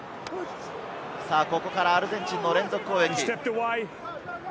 ここからアルゼンチンの連続攻撃。